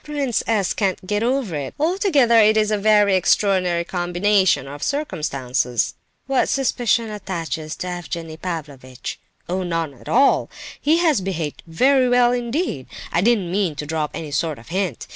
Prince S. can't get over it. Altogether it is a very extraordinary combination of circumstances." "What suspicion attaches to Evgenie Pavlovitch?" "Oh, none at all! He has behaved very well indeed. I didn't mean to drop any sort of hint.